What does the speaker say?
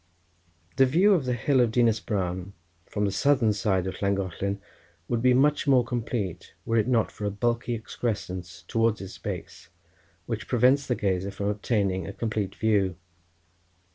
The view of the hill of Dinas Bran, from the southern side of Llangollen, would be much more complete were it not for a bulky excrescence, towards its base, which prevents the gazer from obtaining a complete view.